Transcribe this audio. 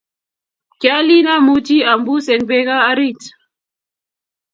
Kialin amuchi ambus eng peko oriit